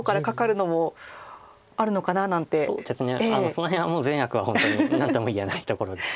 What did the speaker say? その辺はもう善悪は何とも言えないところです。